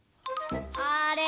あれ？